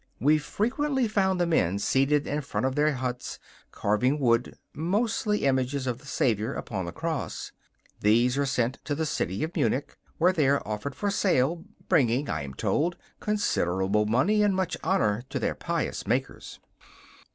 We frequently found the men seated in front of their huts, carving wood, mostly images of the Saviour upon the cross. These are sent to the city of Munich, where they are offered for sale, bringing, I am told, considerable money and much honour to their pious makers.